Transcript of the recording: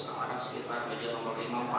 ke arah sekitar meja nomor lima ampah